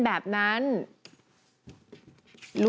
แป๊บหนึ่ง